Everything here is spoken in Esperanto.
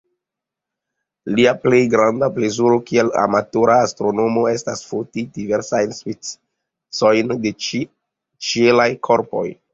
Lia plej granda plezuro kiel amatora astronomo estas foti diversajn specojn de ĉielaj korpoj.